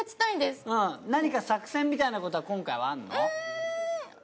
何か作戦みたいなことは今回はあるの？